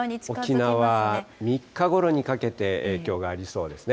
沖縄、３日ごろにかけて影響がありそうですね。